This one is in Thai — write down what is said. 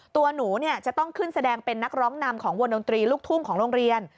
ตัวหนูจะต้องขึ้นแสดงเป็นนักร้องนำของวงดนตรีลูกทุ่งของโรงเรียน